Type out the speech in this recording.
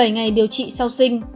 một mươi bảy ngày điều trị sau sinh